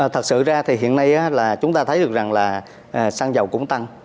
thật sự ra thì hiện nay là chúng ta thấy được rằng là xăng dầu cũng tăng